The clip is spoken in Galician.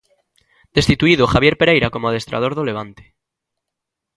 Destituído Javier Pereira como adestrador do Levante.